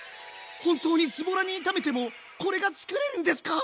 本当にずぼらに炒めてもこれが作れるんですか？